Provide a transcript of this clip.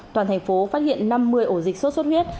toàn thành phố phát hiện năm mươi ổ dịch sốt xuất huyết